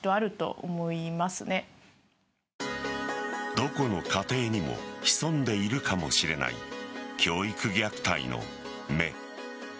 どこの家庭にも潜んでいるかもしれない教育虐待の芽。